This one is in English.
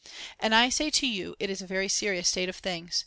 And I say to you it is a very serious state of things.